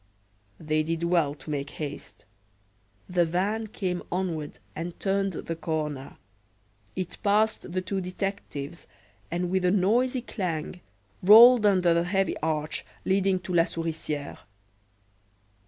They did well to make haste. The van came onward and turned the corner. It passed the two detectives, and with a noisy clang rolled under the heavy arch leading to "la Souriciere."